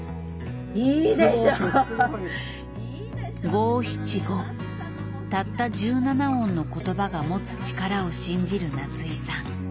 五七五たった１７音の言葉が持つ力を信じる夏井さん。